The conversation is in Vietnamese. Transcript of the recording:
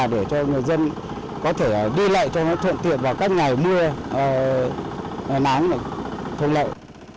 để cho người dân có thể đi lại cho nó thuận tiện vào các ngày mưa nắng thuận lợi